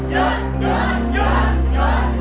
หยุด